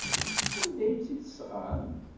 Anda ay tt-id-tesɣam?